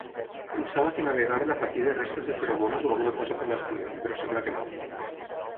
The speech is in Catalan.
Pensava que navegaven a partir de restes de feromones o alguna cosa per l'estil, però sembla que no.